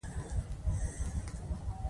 دخوا خوګۍ یو څو رزیني کرښې